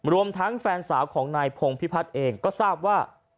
รวมทั้งแฟนสาวของนายพงพิพัฒน์เองก็ทราบว่า